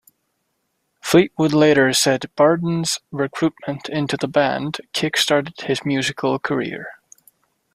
Fleetwood later said Barden's recruitment into the band kick-started his musical career.